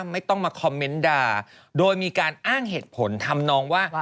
ไม่ต้องมาคอมเมนต์ด่าโดยมีการอ้างเหตุผลทำนองว่า